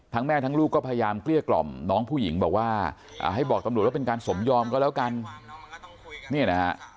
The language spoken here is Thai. ทั้งแม่ทั้งลูกก็พยายามเกลี้ยกร่อมน้องผู้หญิงบอกว่าให้บอกตำรวจแล้วเป็นการสมยอมกันแล้วกัน